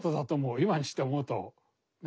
今にして思うとね。